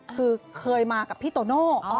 คือเคยมากับพี่โตโน่